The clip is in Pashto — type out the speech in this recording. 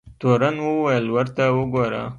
تورن وویل ورته وګوره.